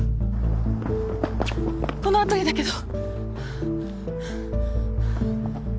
この辺りだけど。